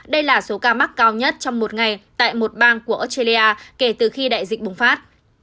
đây là số ca mắc cao nhất trong một ngày tại một bang của australia kể từ khi đại dịch bùng phát